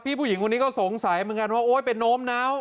ผู้หญิงคนนี้ก็สงสัยเหมือนกันว่าโอ๊ยเป็นโน้มน้าว